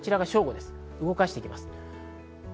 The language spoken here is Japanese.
正午です。